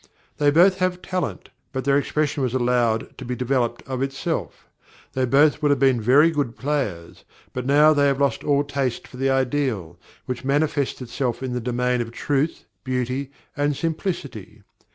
They both have talent, but their expression was allowed to be developed of itself. They both would have been very good players; but now they have lost all taste for the ideal, which manifests itself in the domain of truth, beauty, and simplicity.